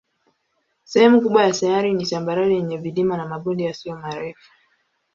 Sehemu kubwa ya sayari ni tambarare yenye vilima na mabonde yasiyo marefu.